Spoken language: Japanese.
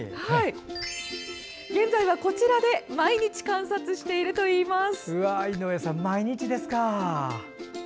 現在は、こちらで毎日観察しています。